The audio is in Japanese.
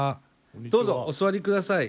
どうぞお座りください。